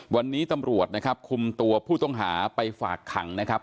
วันนี้ตำรวจนะครับคุมตัวผู้ต้องหาไปฝากขังนะครับ